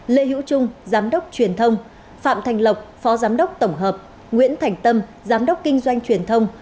lê hữu trung giám đốc truyền thông phạm thành lộc phó giám đốc tổng hợp nguyễn thành tâm giám đốc kinh doanh truyền thông